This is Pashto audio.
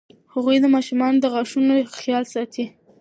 هغوی د ماشومانو د غاښونو خیال ساتي.